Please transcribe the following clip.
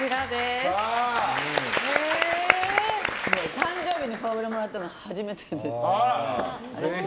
誕生日にフォアグラをもらったの初めてです。